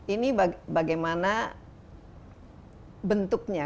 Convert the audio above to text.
ini bagaimana bentuknya